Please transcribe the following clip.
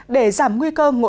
để giảm nguy cơ nguồn lực